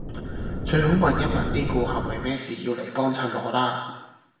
最好問一問啲顧客為咩事要嚟幫襯我啦